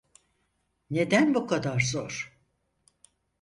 Neden bu kadar zor?